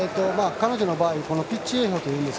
彼女の場合ピッチもです